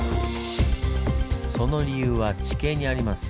その理由は地形にあります。